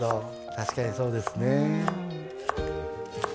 確かにそうですね。